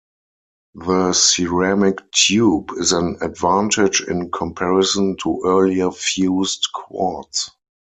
The ceramic tube is an advantage in comparison to earlier fused quartz.